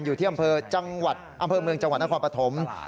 อยู่ที่อำเภอจังหวัดอำเภอเมืองจังหวัดนครปฐม